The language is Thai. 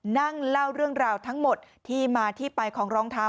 นั่งเล่าเรื่องราวทั้งหมดที่มาที่ไปของรองเท้า